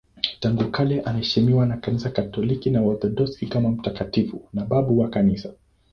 Tangu kale anaheshimiwa na Kanisa Katoliki na Waorthodoksi kama mtakatifu na babu wa Kanisa.